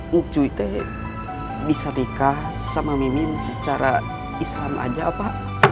ngucuiteh bisa nikah sama mimin secara islam aja apa